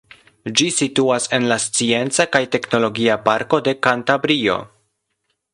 Ĝi situas en la Scienca kaj Teknologia Parko de Kantabrio.